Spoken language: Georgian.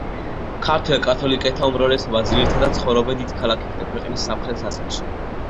ქართველ კათოლიკეთა უმრავლესობა ძირითადად ცხოვრობენ დიდ ქალაქებში და ქვეყნის სამხრეთ ნაწილში.